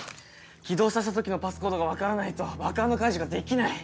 起動させた時のパスコードが分からないと爆破の解除ができない！